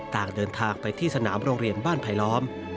ต่างเดินทางไปที่สนามโรงเรียนบ้านไผลล้อม